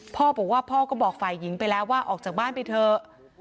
พ่อบอกว่าพ่อก็บอกฝ่ายหญิงไปแล้วว่าออกจากบ้านไปเถอะ